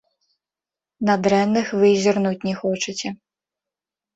На дрэнных вы і зірнуць не хочаце.